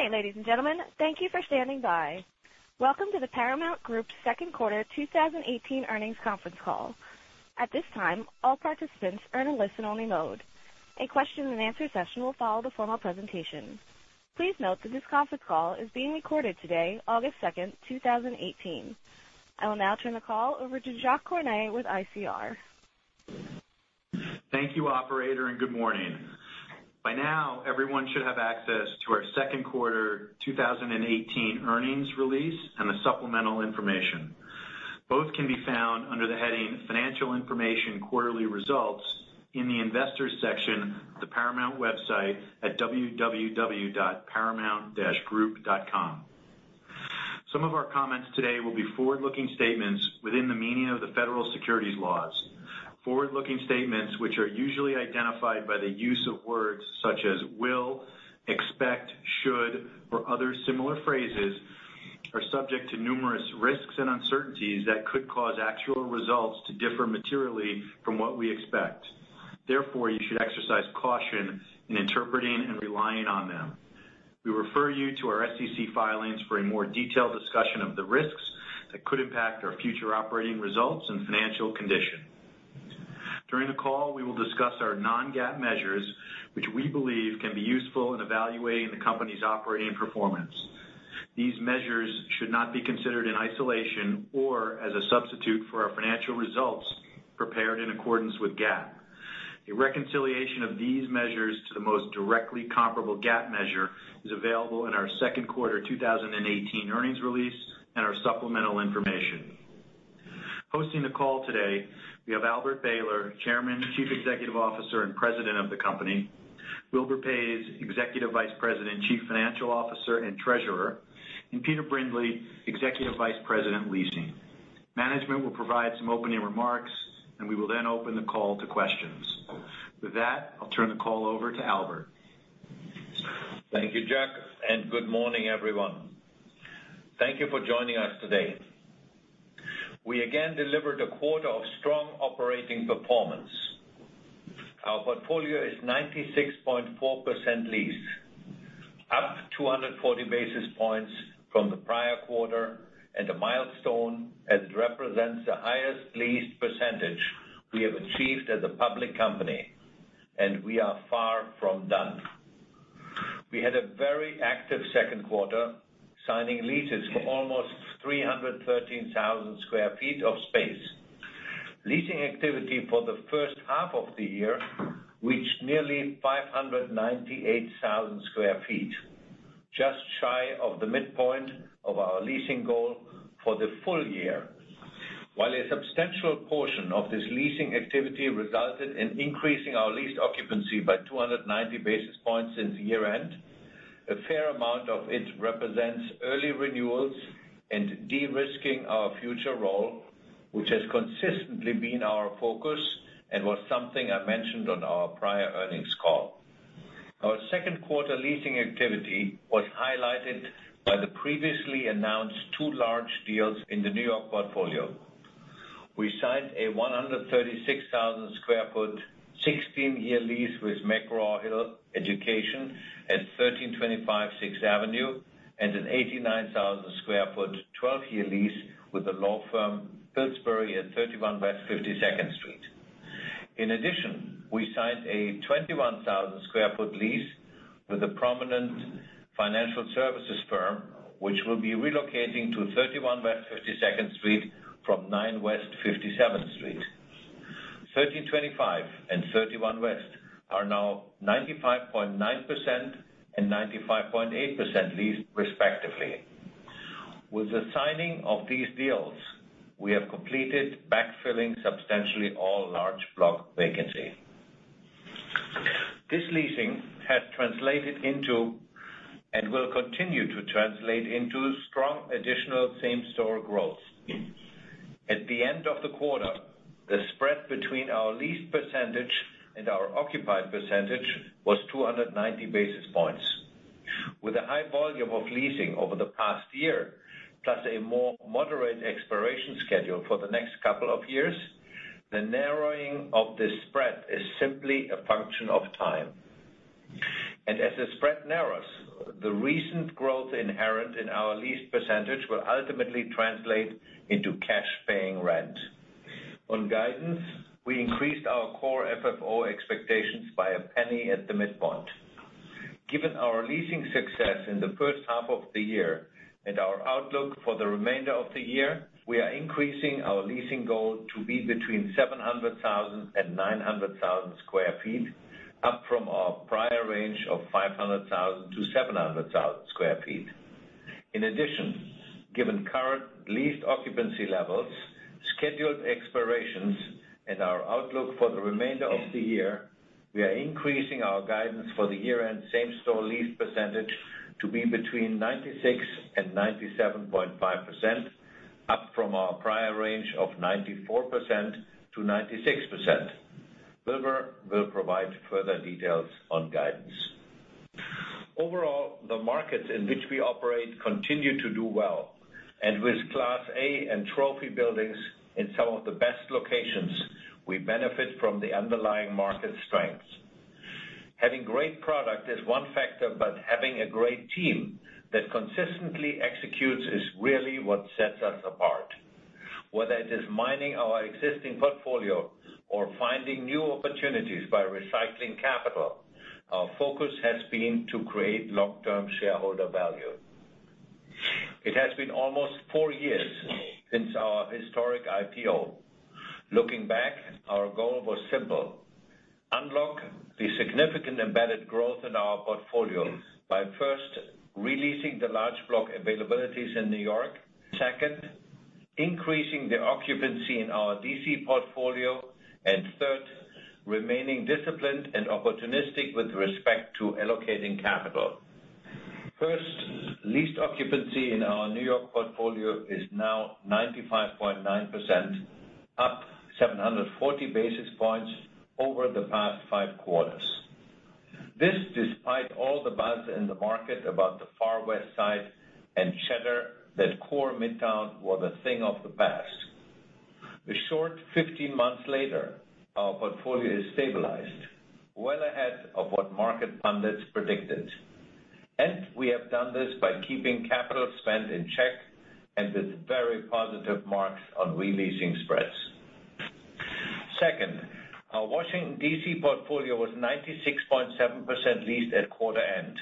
Okay, ladies and gentlemen, thank you for standing by. Welcome to the Paramount Group second quarter 2018 earnings conference call. At this time, all participants are in a listen-only mode. A question and answer session will follow the formal presentation. Please note that this conference call is being recorded today, August 2nd, 2018. I will now turn the call over to Jacques Cornet with ICR. Thank you operator. Good morning. By now, everyone should have access to our second quarter 2018 earnings release and the supplemental information. Both can be found under the heading Financial Information Quarterly Results in the Investors section of the Paramount Group website at www.paramount-group.com. Some of our comments today will be forward-looking statements within the meaning of the federal securities laws. Forward-looking statements, which are usually identified by the use of words such as will, expect, should, or other similar phrases, are subject to numerous risks and uncertainties that could cause actual results to differ materially from what we expect. Therefore, you should exercise caution in interpreting and relying on them. We refer you to our SEC filings for a more detailed discussion of the risks that could impact our future operating results and financial condition. During the call, we will discuss our non-GAAP measures, which we believe can be useful in evaluating the company's operating performance. These measures should not be considered in isolation or as a substitute for our financial results prepared in accordance with GAAP. A reconciliation of these measures to the most directly comparable GAAP measure is available in our second quarter 2018 earnings release and our supplemental information. Hosting the call today, we have Albert Behler, Chairman, Chief Executive Officer, and President of the company; Wilbur Paes, Executive Vice President, Chief Financial Officer, and Treasurer; and Peter Brindley, Executive Vice President, Leasing. Management will provide some opening remarks. We will then open the call to questions. With that, I'll turn the call over to Albert. Thank you, Jack. Good morning, everyone. Thank you for joining us today. We again delivered a quarter of strong operating performance. Our portfolio is 96.4% leased, up 240 basis points from the prior quarter, and a milestone as it represents the highest leased percentage we have achieved as a public company, and we are far from done. We had a very active second quarter, signing leases for almost 313,000 square feet of space. Leasing activity for the first half of the year reached nearly 598,000 square feet, just shy of the midpoint of our leasing goal for the full year. While a substantial portion of this leasing activity resulted in increasing our lease occupancy by 290 basis points since year-end, a fair amount of it represents early renewals and de-risking our future roll, which has consistently been our focus and was something I mentioned on our prior earnings call. Our second quarter leasing activity was highlighted by the previously announced two large deals in the N.Y. portfolio. We signed a 136,000 sq ft, 16-year lease with McGraw Hill Education at 1325 6th Avenue and an 89,000 sq ft, 12-year lease with the law firm Pillsbury at 31 West 52nd Street. In addition, we signed a 21,000 sq ft lease with a prominent financial services firm, which will be relocating to 31 West 52nd Street from 9 West 57th Street. 1325 and 31 West are now 95.9% and 95.8% leased respectively. With the signing of these deals, we have completed backfilling substantially all large block vacancy. This leasing has translated into, and will continue to translate into, strong additional same-store growth. At the end of the quarter, the spread between our leased percentage and our occupied percentage was 290 basis points. With a high volume of leasing over the past year, plus a more moderate expiration schedule for the next couple of years, the narrowing of this spread is simply a function of time. As the spread narrows, the recent growth inherent in our leased percentage will ultimately translate into cash paying rent. On guidance, we increased our Core FFO expectations by $0.01 at the midpoint. Given our leasing success in the first half of the year and our outlook for the remainder of the year, we are increasing our leasing goal to be between 700,000 and 900,000 sq ft, up from our prior range of 500,000 to 700,000 sq ft. In addition, given current leased occupancy levels, scheduled expirations, and our outlook for the remainder of the year, we are increasing our guidance for the year-end same-store lease percentage to be between 96% and 97.5%, up from our prior range of 94% to 96%. Wilbur will provide further details on guidance. Overall, the markets in which we operate continue to do well. With Class A and trophy buildings in some of the best locations, we benefit from the underlying market strengths. Having great product is one factor, but having a great team that consistently executes is really what sets us apart. Whether it is mining our existing portfolio or finding new opportunities by recycling capital, our focus has been to create long-term shareholder value. It has been almost four years since our historic IPO. Looking back, our goal was simple, unlock the significant embedded growth in our portfolio by first releasing the large block availabilities in N.Y. Second, increasing the occupancy in our D.C. portfolio, and third, remaining disciplined and opportunistic with respect to allocating capital. First, lease occupancy in our N.Y. portfolio is now 95.9%, up 740 basis points over the past five quarters. This despite all the buzz in the market about the Far West Side and chatter that core Midtown were the thing of the past. A short 15 months later, our portfolio is stabilized, well ahead of what market pundits predicted. We have done this by keeping capital spend in check and with very positive marks on re-leasing spreads. Second, our Washington, D.C. portfolio was 96.7% leased at quarter end.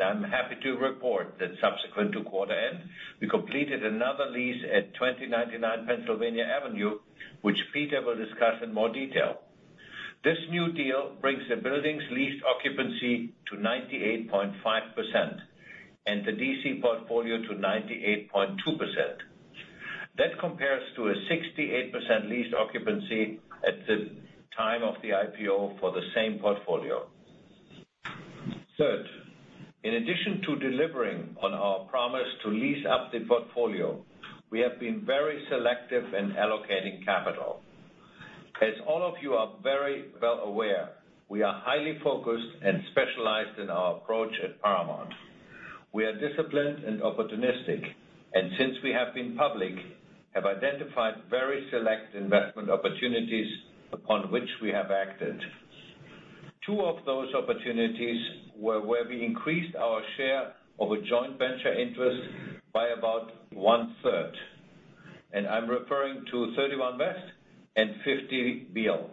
I'm happy to report that subsequent to quarter end, we completed another lease at 2099 Pennsylvania Avenue, which Peter will discuss in more detail. This new deal brings the building's lease occupancy to 98.5%, and the D.C. portfolio to 98.2%. That compares to a 68% lease occupancy at the time of the IPO for the same portfolio. Third, in addition to delivering on our promise to lease up the portfolio, we have been very selective in allocating capital. As all of you are very well aware, we are highly focused and specialized in our approach at Paramount. We are disciplined and opportunistic. Since we have been public, have identified very select investment opportunities upon which we have acted. Two of those opportunities were where we increased our share of a joint venture interest by about one-third. I'm referring to 31 West and 50 Beale.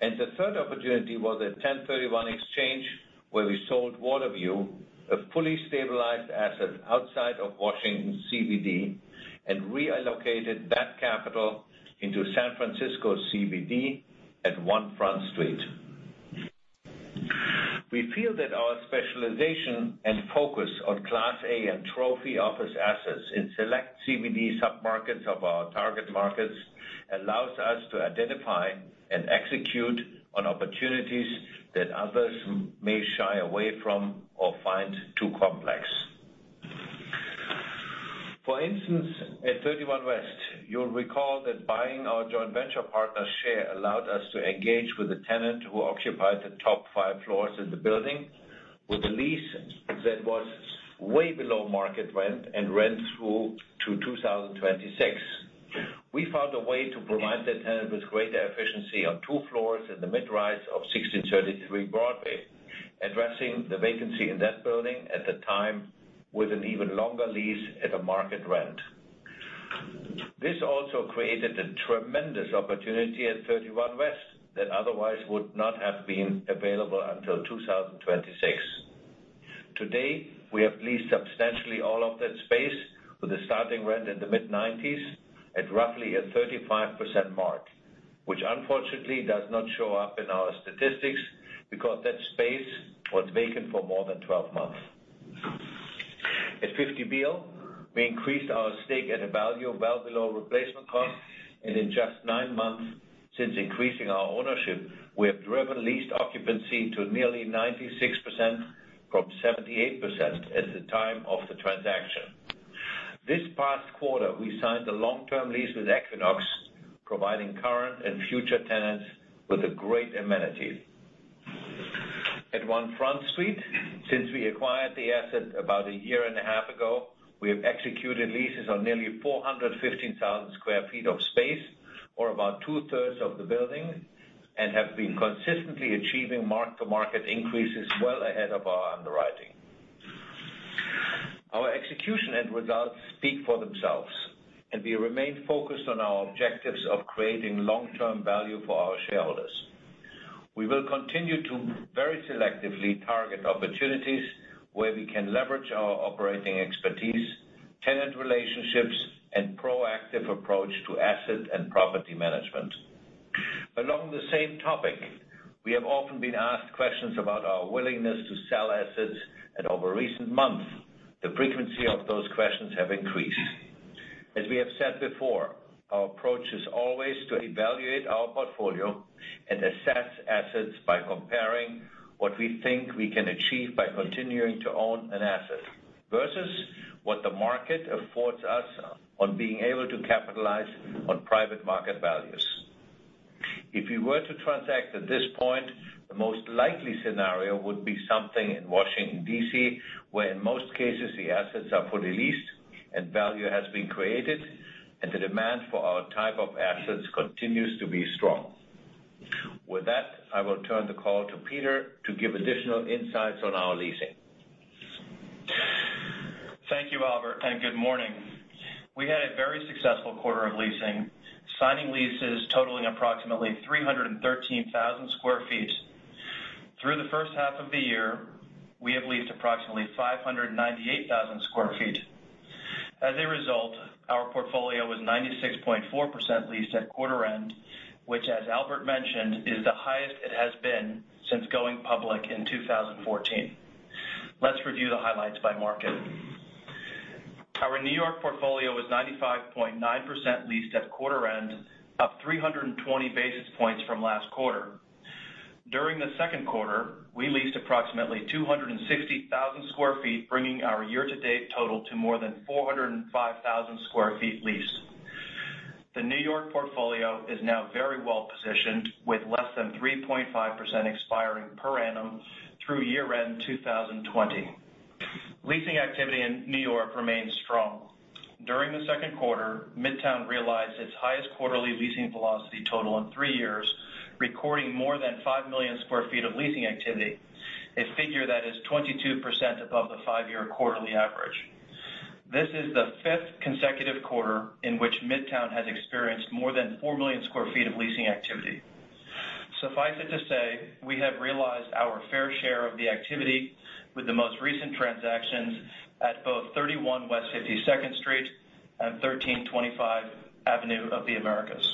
The third opportunity was at 1031 Exchange, where we sold Waterview, a fully stabilized asset outside of Washington D.C. CBD, and reallocated that capital into San Francisco CBD at One Front Street. We feel that our specialization and focus on Class A and trophy office assets in select CBD submarkets of our target markets allows us to identify and execute on opportunities that others may shy away from or find too complex. For instance, at 31 West, you'll recall that buying our joint venture partner's share allowed us to engage with a tenant who occupied the top five floors of the building with a lease that was way below market rent and ran through to 2026. We found a way to provide that tenant with greater efficiency on two floors in the mid-rise of 1633 Broadway, addressing the vacancy in that building at the time with an even longer lease at a market rent. This also created a tremendous opportunity at 31 West that otherwise would not have been available until 2026. Today, we have leased substantially all of that space with a starting rent in the mid-90s at roughly a 35% mark, which unfortunately does not show up in our statistics because that space was vacant for more than 12 months. At 50 Beale, we increased our stake at a value well below replacement cost. In just nine months since increasing our ownership, we have driven leased occupancy to nearly 96% from 78% at the time of the transaction. This past quarter, we signed a long-term lease with Equinox, providing current and future tenants with a great amenity. At One Front Street, since we acquired the asset about a year and a half ago, we have executed leases on nearly 415,000 sq ft of space or about two-thirds of the building, and have been consistently achieving mark-to-market increases well ahead of our underwriting. Our execution and results speak for themselves. We remain focused on our objectives of creating long-term value for our shareholders. We will continue to very selectively target opportunities where we can leverage our operating expertise, tenant relationships, and proactive approach to asset and property management. Along the same topic, we have often been asked questions about our willingness to sell assets. Over recent months, the frequency of those questions have increased. As we have said before, our approach is always to evaluate our portfolio and assess assets by comparing what we think we can achieve by continuing to own an asset, versus what the market affords us on being able to capitalize on private market values. If we were to transact at this point, the most likely scenario would be something in Washington, D.C., where in most cases the assets are fully leased and value has been created. The demand for our type of assets continues to be strong. With that, I will turn the call to Peter to give additional insights on our leasing. Thank you, Albert, and good morning. We had a very successful quarter of leasing, signing leases totaling approximately 313,000 sq ft. Through the first half of the year, we have leased approximately 598,000 sq ft. As a result, our portfolio was 96.4% leased at quarter end, which as Albert mentioned, is the highest it has been since going public in 2014. Let's review the highlights by market. Our New York portfolio was 95.9% leased at quarter end, up 320 basis points from last quarter. During the second quarter, we leased approximately 260,000 sq ft, bringing our year-to-date total to more than 405,000 sq ft leased. The New York portfolio is now very well positioned, with less than 3.5% expiring per annum through year-end 2020. Leasing activity in New York remains strong. During the second quarter, Midtown realized its highest quarterly leasing velocity total in three years, recording more than 5 million sq ft of leasing activity, a figure that is 22% above the five-year quarterly average. This is the fifth consecutive quarter in which Midtown has experienced more than 4 million sq ft of leasing activity. Suffice it to say, we have realized our fair share of the activity with the most recent transactions at both 31 West 52nd Street and 1325 Avenue of the Americas.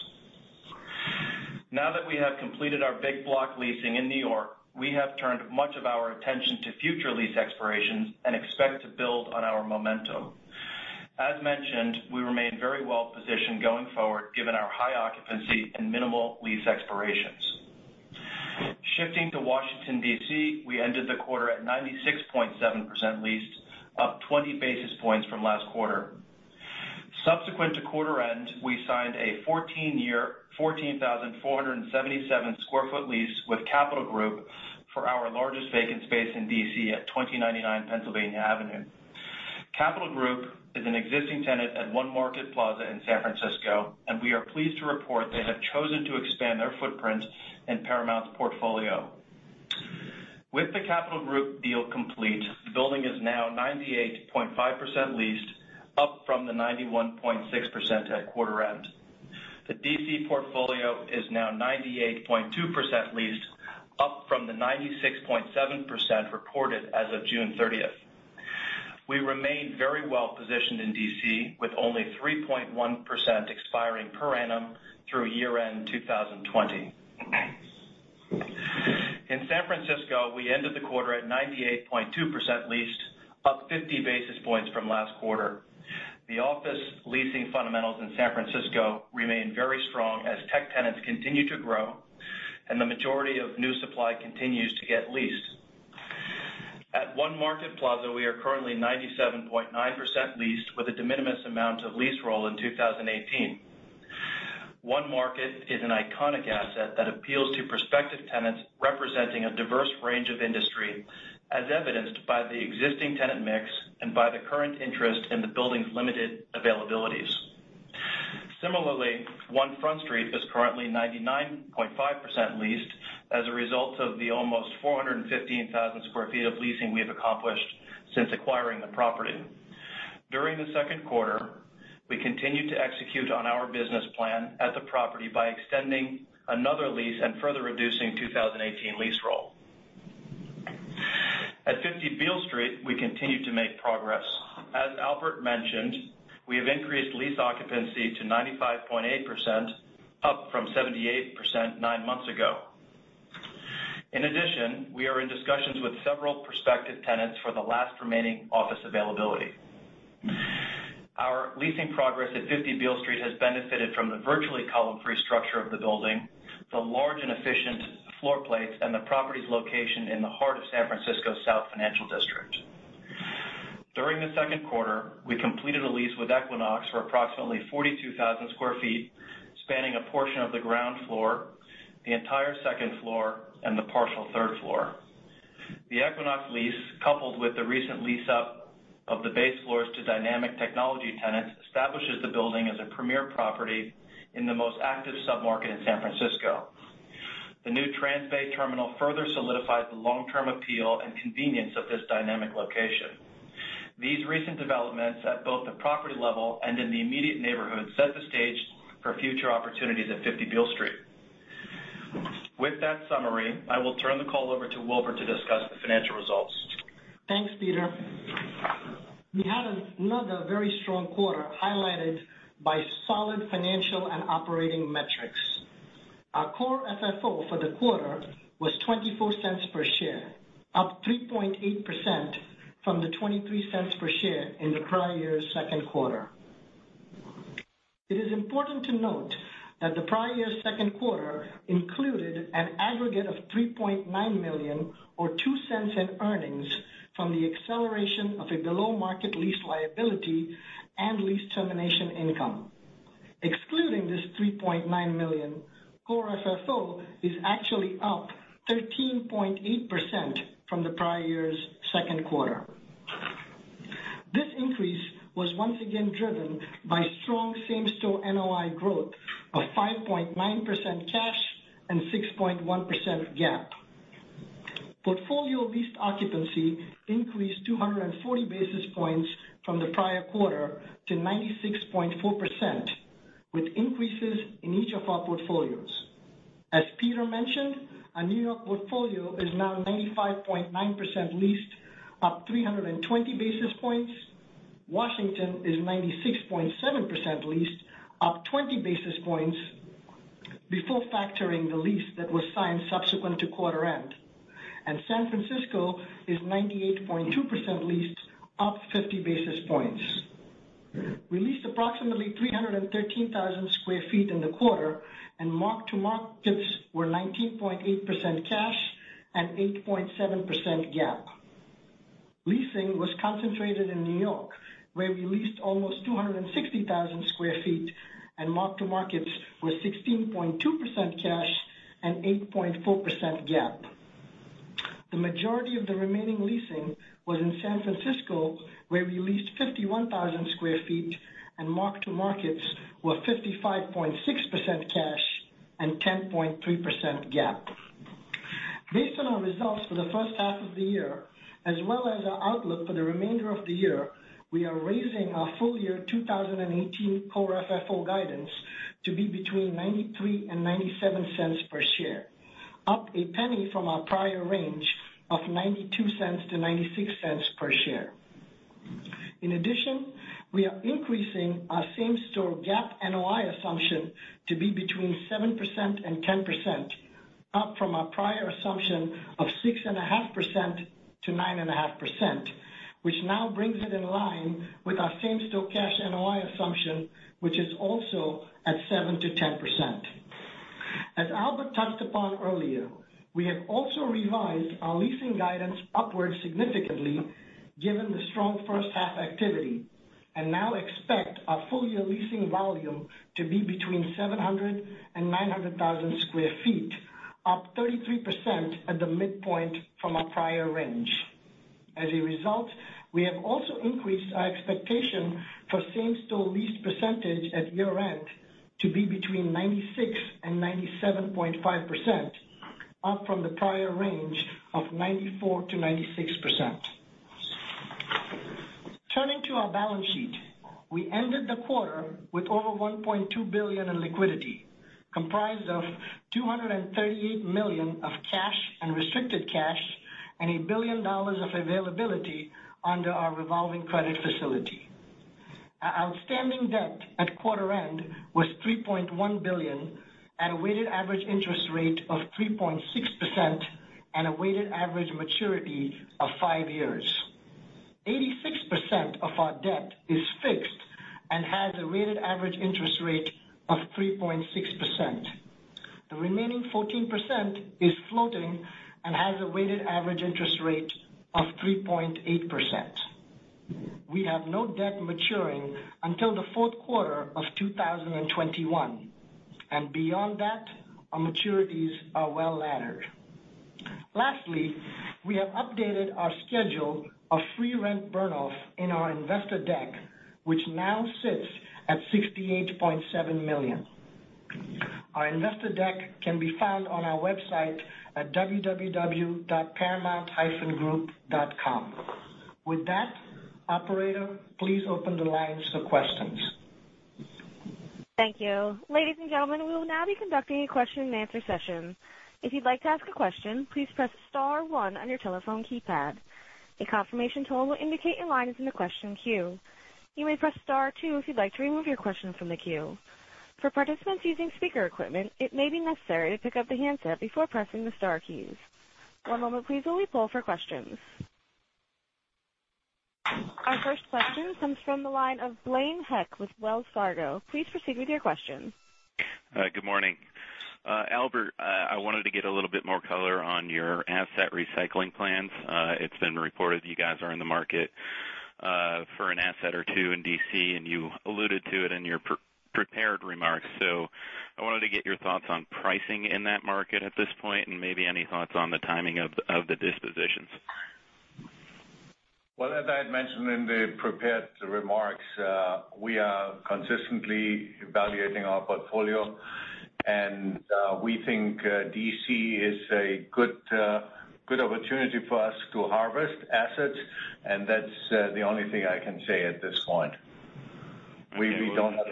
Now that we have completed our big block leasing in New York, we have turned much of our attention to future lease expirations and expect to build on our momentum. As mentioned, we remain very well positioned going forward given our high occupancy and minimal lease expirations. Shifting to Washington, D.C., we ended the quarter at 96.7% leased, up 20 basis points from last quarter. Subsequent to quarter end, we signed a 14-year, 14,477 sq ft lease with Capital Group for our largest vacant space in D.C. at 2099 Pennsylvania Avenue. Capital Group is an existing tenant at One Market Plaza in San Francisco, and we are pleased to report they have chosen to expand their footprint in Paramount's portfolio. With the Capital Group deal complete, the building is now 98.5% leased, up from the 91.6% at quarter end. The D.C. portfolio is now 98.2% leased, up from the 96.7% reported as of June 30th. We remain very well positioned in D.C. with only 3.1% expiring per annum through year-end 2020. In San Francisco, we ended the quarter at 98.2% leased, up 50 basis points from last quarter. The office leasing fundamentals in San Francisco remain very strong as tech tenants continue to grow, and the majority of new supply continues to get leased. At One Market Plaza, we are currently 97.9% leased with a de minimis amount of lease roll in 2018. One Market is an iconic asset that appeals to prospective tenants representing a diverse range of industry, as evidenced by the existing tenant mix and by the current interest in the building's limited availabilities. Similarly, One Front Street is currently 99.5% leased as a result of the almost 415,000 sq ft of leasing we have accomplished since acquiring the property. During the second quarter, we continued to execute on our business plan at the property by extending another lease and further reducing 2018 lease roll. At 50 Beale Street, we continue to make progress. As Albert mentioned, we have increased lease occupancy to 95.8%, up from 78% nine months ago. In addition, we are in discussions with several prospective tenants for the last remaining office availability. Our leasing progress at 50 Beale Street has benefited from the virtually column-free structure of the building, the large and efficient floor plates, and the property's location in the heart of San Francisco's South Financial District. During the second quarter, we completed a lease with Equinox for approximately 42,000 sq ft, spanning a portion of the ground floor, the entire second floor, and the partial third floor. The Equinox lease, coupled with the recent lease up of the base floors to dynamic technology tenants, establishes the building as a premier property in the most active sub-market in San Francisco. The new Transbay Terminal further solidifies the long-term appeal and convenience of this dynamic location. These recent developments at both the property level and in the immediate neighborhood set the stage for future opportunities at 50 Beale Street. With that summary, I will turn the call over to Wilbur to discuss the financial results. Thanks, Peter. We had another very strong quarter highlighted by solid financial and operating metrics. Our Core FFO for the quarter was $0.24 per share, up 3.8% from the $0.23 per share in the prior year's second quarter. It is important to note that the prior year's second quarter included an aggregate of $3.9 million or $0.02 in earnings from the acceleration of a below-market lease liability and lease termination income. Excluding this $3.9 million, Core FFO is actually up 13.8% from the prior year's second quarter. This increase was once again driven by strong same-store NOI growth of 5.9% cash and 6.1% GAAP. Portfolio lease occupancy increased 240 basis points from the prior quarter to 96.4%, with increases in each of our portfolios. As Peter mentioned, our New York portfolio is now 95.9% leased, up 320 basis points. Washington is 96.7% leased, up 20 basis points before factoring the lease that was signed subsequent to quarter end. San Francisco is 98.2% leased, up 50 basis points. We leased approximately 313,000 square feet in the quarter, and mark-to-markets were 19.8% cash and 8.7% GAAP. Leasing was concentrated in New York, where we leased almost 260,000 square feet and mark-to-markets were 16.2% cash and 8.4% GAAP. The majority of the remaining leasing was in San Francisco, where we leased 51,000 square feet and mark-to-markets were 55.6% cash and 10.3% GAAP. Based on our results for the first half of the year, as well as our outlook for the remainder of the year, we are raising our full year 2018 Core FFO guidance to be between $0.93 and $0.97 per share, up $0.01 from our prior range of $0.92-$0.96 per share. In addition, we are increasing our same-store GAAP NOI assumption to be between 7% and 10%, up from our prior assumption of 6.5%-9.5%, which now brings it in line with our same-store cash NOI assumption, which is also at 7%-10%. As Albert touched upon earlier, we have also revised our leasing guidance upwards significantly given the strong first-half activity. Now expect our full-year leasing volume to be between 700,000 and 900,000 square feet, up 33% at the midpoint from our prior range. As a result, we have also increased our expectation for same-store lease percentage at year end to be between 96% and 97.5%, up from the prior range of 94%-96%. Turning to our balance sheet, we ended the quarter with over $1.2 billion in liquidity, comprised of $238 million of cash and restricted cash and $1 billion of availability under our revolving credit facility. Our outstanding debt at quarter end was $3.1 billion at a weighted average interest rate of 3.6% and a weighted average maturity of five years. 86% of our debt is fixed and has a weighted average interest rate of 3.6%. The remaining 14% is floating and has a weighted average interest rate of 3.8%. We have no debt maturing until the fourth quarter of 2021, and beyond that, our maturities are well-laddered. Lastly, we have updated our schedule of free rent burnoff in our investor deck, which now sits at $68.7 million. Our investor deck can be found on our website at www.paramount-group.com. With that, operator, please open the lines for questions. Thank you. Ladies and gentlemen, we will now be conducting a question and answer session. If you'd like to ask a question, please press star one on your telephone keypad. A confirmation tone will indicate your line is in the question queue. You may press star two if you'd like to remove your question from the queue. For participants using speaker equipment, it may be necessary to pick up the handset before pressing the star keys. One moment please while we poll for questions. Our first question comes from the line of Blaine Heck with Wells Fargo. Please proceed with your question. Good morning. Albert, I wanted to get a little bit more color on your asset recycling plans. It's been reported you guys are in the market for an asset or two in D.C., and you alluded to it in your prepared remarks. I wanted to get your thoughts on pricing in that market at this point, and maybe any thoughts on the timing of the dispositions. Well, as I had mentioned in the prepared remarks, we are consistently evaluating our portfolio. We think D.C. is a good opportunity for us to harvest assets, and that's the only thing I can say at this point. We don't have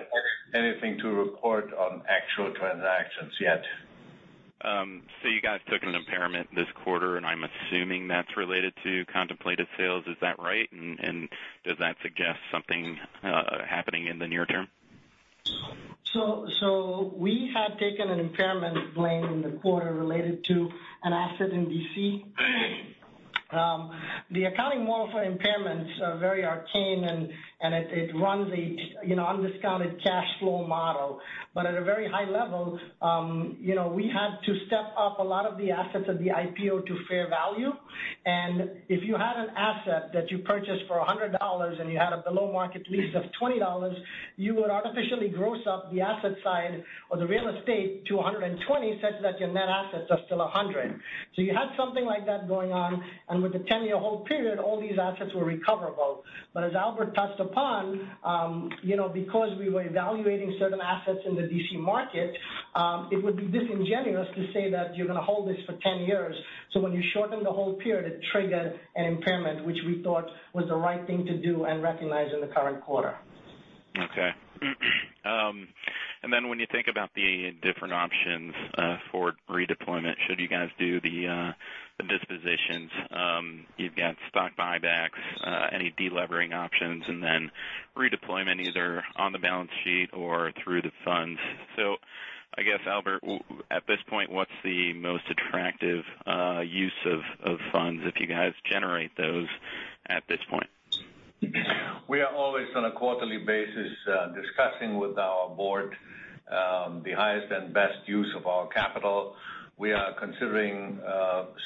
anything to report on actual transactions yet. You guys took an impairment this quarter, and I'm assuming that's related to contemplated sales. Is that right? Does that suggest something happening in the near term? We had taken an impairment, Blaine, in the quarter related to an asset in D.C. The accounting model for impairments are very arcane. It runs a undiscounted cash flow model. At a very high level, we had to step up a lot of the assets of the IPO to fair value. If you had an asset that you purchased for $100 and you had a below-market lease of $20, you would artificially gross up the asset side of the real estate to 120 such that your net assets are still 100. You had something like that going on, and with the 10-year hold period, all these assets were recoverable. As Albert touched upon, because we were evaluating certain assets in the D.C. market, it would be disingenuous to say that you're going to hold this for 10 years. When you shorten the hold period, it triggered an impairment, which we thought was the right thing to do and recognize in the current quarter. Okay. When you think about the different options for redeployment, should you guys do the dispositions? You've got stock buybacks, any de-levering options, and then redeployment either on the balance sheet or through the funds. I guess, Albert, at this point, what's the most attractive use of funds if you guys generate those at this point? We are always, on a quarterly basis, discussing with our board the highest and best use of our capital. We are considering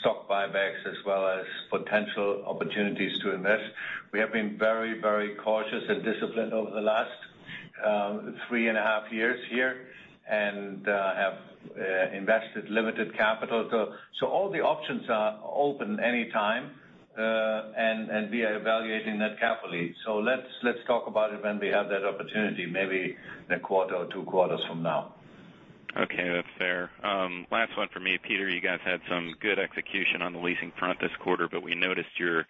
stock buybacks as well as potential opportunities to invest. We have been very cautious and disciplined over the last three and a half years here and have invested limited capital. All the options are open any time, and we are evaluating that carefully. Let's talk about it when we have that opportunity, maybe in a quarter or two quarters from now. Okay. That's fair. Last one for me. Peter, you guys had some good execution on the leasing front this quarter, but we noticed your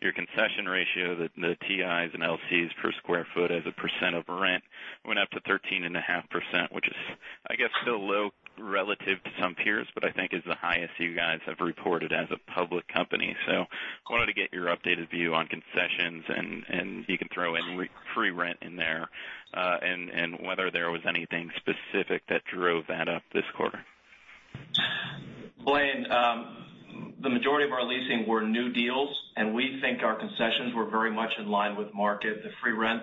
concession ratio, the TIs and LCs per square foot as a percent of rent went up to 13.5%, which is, I guess, still low relative to some peers, but I think is the highest you guys have reported as a public company. I wanted to get your updated view on concessions, and you can throw in free rent in there, and whether there was anything specific that drove that up this quarter. Blaine, the majority of our leasing were new deals, and we think our concessions were very much in line with market. The free rent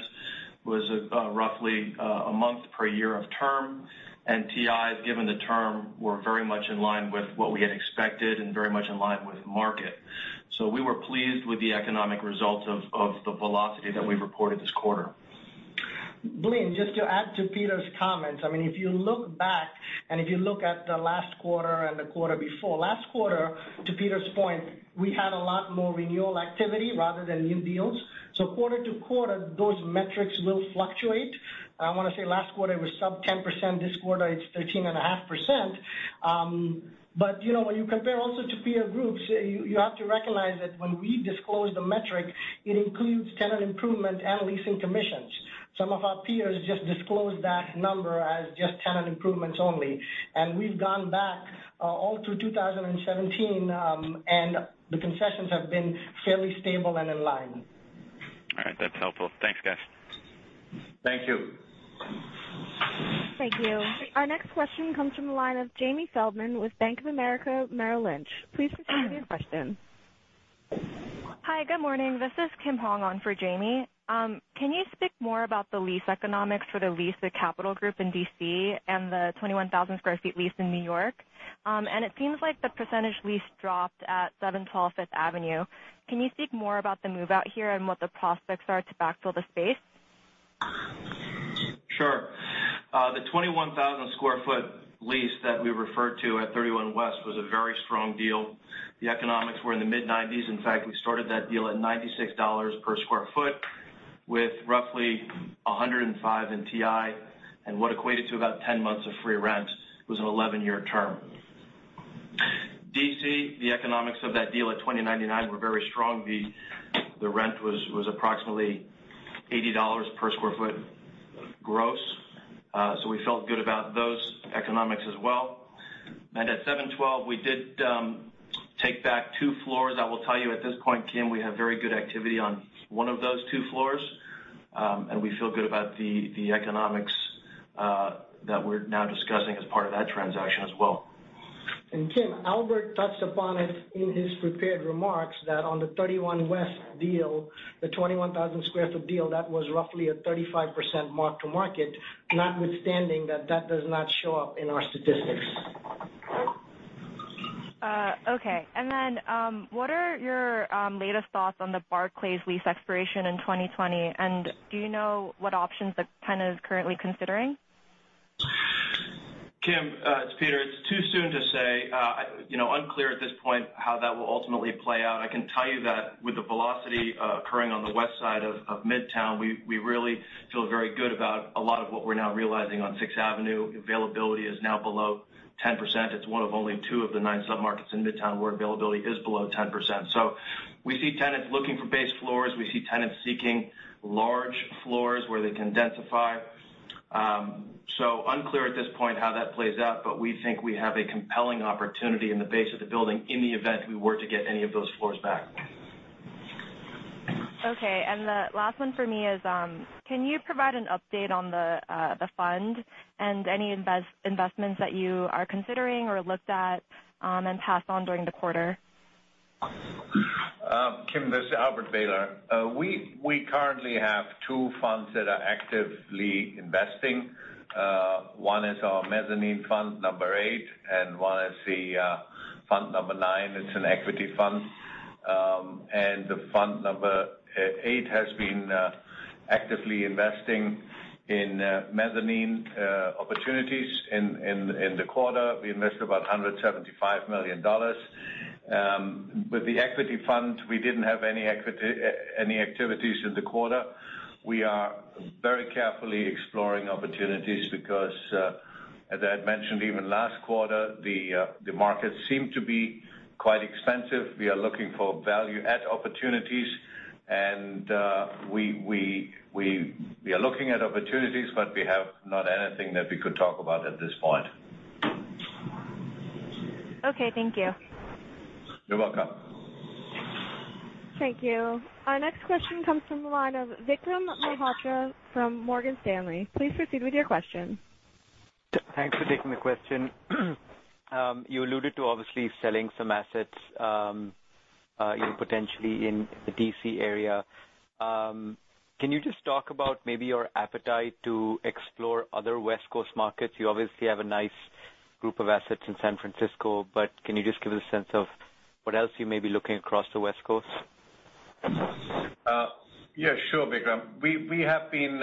was roughly a month per year of term, and TIs, given the term, were very much in line with what we had expected and very much in line with market. We were pleased with the economic results of the velocity that we reported this quarter. Blaine, just to add to Peter's comments, if you look back and if you look at the last quarter and the quarter before. Last quarter, to Peter's point, we had a lot more renewal activity rather than new deals. Quarter to quarter, those metrics will fluctuate. I want to say last quarter it was sub 10%; this quarter it's 13.5%. When you compare also to peer groups, you have to recognize that when we disclose the metric, it includes tenant improvement and leasing commissions. Some of our peers just disclose that number as just tenant improvements only. We've gone back all through 2017, and the concessions have been fairly stable and in line. All right. That's helpful. Thanks, guys. Thank you. Thank you. Our next question comes from the line of Jamie Feldman with Bank of America Merrill Lynch. Please proceed with your question. Hi, good morning. This is John Kim on for Jamie. Can you speak more about the lease economics for the lease at Capital Group in D.C. and the 21,000 square feet lease in New York? It seems like the percentage lease dropped at 712 Fifth Avenue. Can you speak more about the move-out here and what the prospects are to backfill the space? Sure. The 21,000 square foot lease that we referred to at 31 West was a very strong deal. The economics were in the mid-90s. In fact, we started that deal at $96 per square foot with roughly $105 in TI and what equated to about 10 months of free rent. It was an 11-year term. D.C., the economics of that deal at 2099 were very strong. The rent was approximately $80 per square foot gross. We felt good about those economics as well. At 712, we did take back two floors. I will tell you at this point, Kim, we have very good activity on one of those two floors. We feel good about the economics that we're now discussing as part of that transaction as well. Kim, Albert touched upon it in his prepared remarks that on the 31 West deal, the 21,000-square-foot deal, that was roughly a 35% mark-to-market, notwithstanding that that does not show up in our statistics. Okay. What are your latest thoughts on the Barclays lease expiration in 2020, and do you know what options the tenant is currently considering? Kim, it's Peter. It's too soon to say. Unclear at this point how that will ultimately play out. I can tell you that with the velocity occurring on the West Side of Midtown, we really feel very good about a lot of what we're now realizing on Sixth Avenue. Availability is now below 10%. It's one of only two of the nine submarkets in Midtown where availability is below 10%. We see tenants looking for base floors. We see tenants seeking large floors where they can densify. Unclear at this point how that plays out, but we think we have a compelling opportunity in the base of the building in the event we were to get any of those floors back. Okay. The last one for me is can you provide an update on the fund and any investments that you are considering or looked at and passed on during the quarter? Kim, this is Albert Behler. We currently have two funds that are actively investing. One is our Mezzanine Fund number eight, and one is the fund number nine. It's an equity fund. The fund number eight has been actively investing in mezzanine opportunities in the quarter. We invested about $175 million. With the equity fund, we didn't have any activities in the quarter. We are very carefully exploring opportunities because, as I had mentioned, even last quarter, the markets seem to be quite expensive. We are looking for value add opportunities, and we are looking at opportunities, but we have not anything that we could talk about at this point. Okay, thank you. You're welcome. Thank you. Our next question comes from the line of Vikram Malhotra from Morgan Stanley. Please proceed with your question. Thanks for taking the question. You alluded to obviously selling some assets, potentially in the D.C. area. Can you just talk about maybe your appetite to explore other West Coast markets? You obviously have a nice group of assets in San Francisco, but can you just give a sense of what else you may be looking across the West Coast? Yeah, sure, Vikram. We have been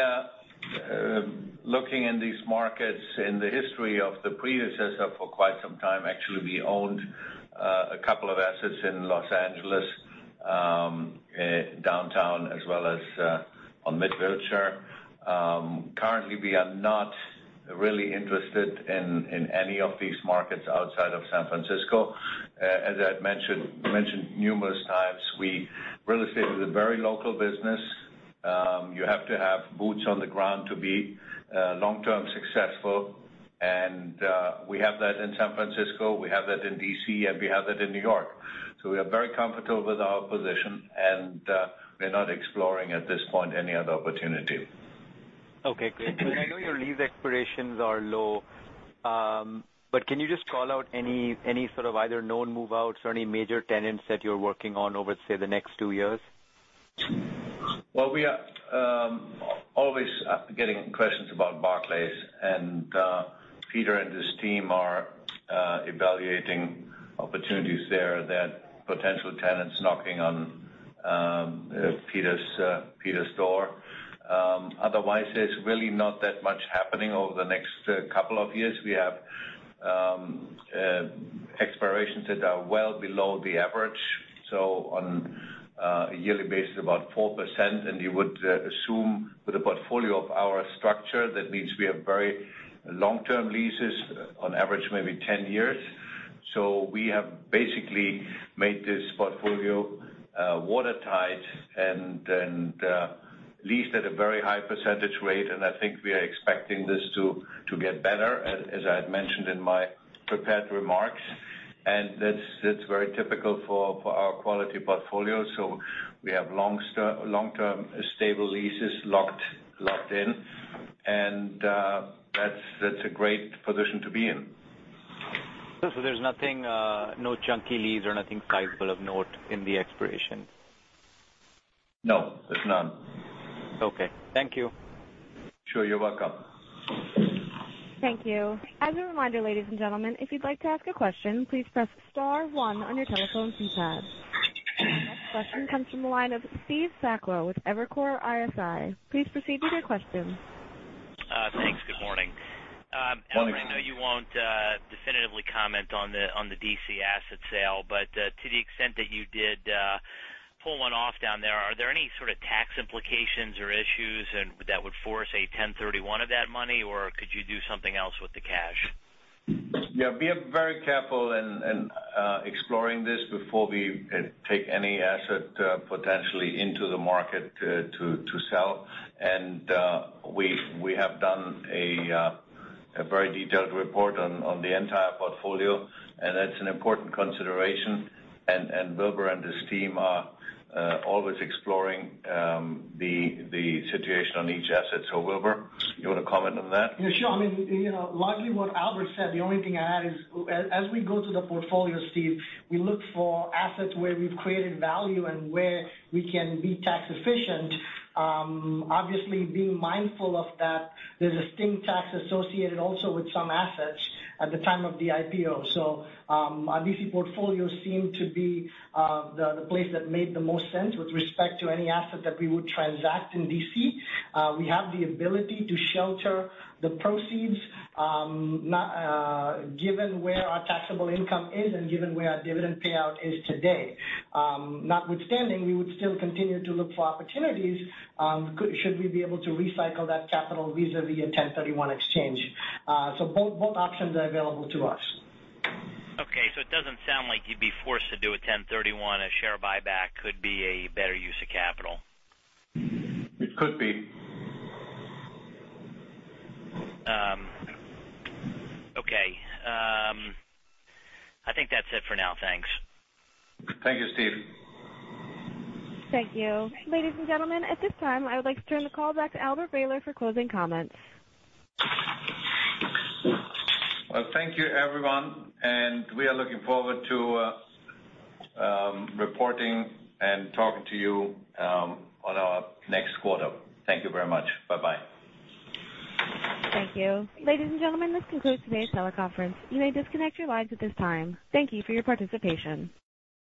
looking in these markets in the history of the predecessor for quite some time. Actually, we owned a couple of assets in Los Angeles, downtown as well as on Mid-Wilshire. Currently, we are not really interested in any of these markets outside of San Francisco. As I had mentioned numerous times, real estate is a very local business. You have to have boots on the ground to be long-term successful. We have that in San Francisco, we have that in D.C., and we have that in New York. We are very comfortable with our position, and we are not exploring at this point any other opportunity. Okay, great. Because I know your lease expirations are low. Can you just call out any sort of either known move-outs or any major tenants that you're working on over, say, the next two years? Well, we are always getting questions about Barclays, Peter and his team are evaluating opportunities there. There are potential tenants knocking on Peter's door. Otherwise, there's really not that much happening over the next couple of years. We have expirations that are well below the average, on a yearly basis, about 4%, and you would assume with a portfolio of our structure, that means we have very long-term leases, on average, maybe 10 years. We have basically made this portfolio watertight and leased at a very high percentage rate, I think we are expecting this to get better, as I had mentioned in my prepared remarks. That's very typical for our quality portfolio. We have long-term stable leases locked in. That's a great position to be in. There's nothing, no chunky lease or nothing sizable of note in the expirations? No. There's none. Okay. Thank you. Sure. You're welcome. Thank you. As a reminder, ladies and gentlemen, if you'd like to ask a question, please press star one on your telephone keypad. Our next question comes from the line of Steve Sakwa with Evercore ISI. Please proceed with your question. Thanks. Good morning. Good morning. Albert, I know you won't definitively comment on the D.C. asset sale, but to the extent that you did pull one off down there, are there any sort of tax implications or issues and that would force a 1031 of that money, or could you do something else with the cash? Yeah. We are very careful in exploring this before we take any asset potentially into the market to sell. We have done a very detailed report on the entire portfolio, and that's an important consideration. Wilbur and his team are always exploring the situation on each asset. Wilbur, you want to comment on that? Yeah, sure. I mean, largely what Albert said, the only thing I add is, as we go through the portfolio, Steve, we look for assets where we've created value and where we can be tax efficient. Obviously being mindful of that there's a sting tax associated also with some assets at the time of the IPO. Our D.C. portfolios seem to be the place that made the most sense with respect to any asset that we would transact in D.C. We have the ability to shelter the proceeds, given where our taxable income is and given where our dividend payout is today. Notwithstanding, we would still continue to look for opportunities should we be able to recycle that capital vis-à-vis a 1031 Exchange. Both options are available to us. Okay, it doesn't sound like you'd be forced to do a 1031. A share buyback could be a better use of capital. It could be. Okay. I think that's it for now. Thanks. Thank you, Steve. Thank you. Ladies and gentlemen, at this time, I would like to turn the call back to Albert Behler for closing comments. Well, thank you, everyone. We are looking forward to reporting and talking to you on our next quarter. Thank you very much. Bye-bye. Thank you. Ladies and gentlemen, this concludes today's teleconference. You may disconnect your lines at this time. Thank you for your participation.